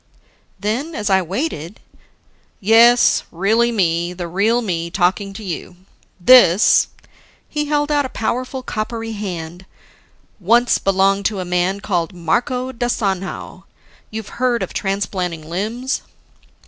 Then, as I waited, "Yes, really me, the real me talking to you. This," he held out a powerful, coppery hand, "once belonged to a man called Marco da Sanhao ... You've heard of transplanting limbs?"